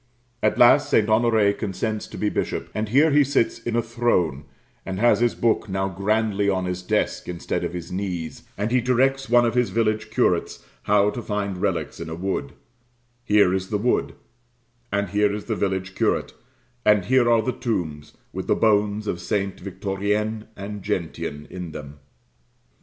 At last St. Honoré consents to be bishop, and here he sits in a throne, and has his book now grandly on his desk instead of his knees, and he directs one of his village curates how to find relics in a wood; here is the wood, and here is the village curate, and here are the tombs, with the bones of St. Victorien and Gentien in them.